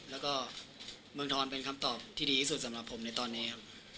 แล้วก็เมืองทองเป็นคำตอบที่ดีที่สุดสำหรับผมในตอนนี้ครับ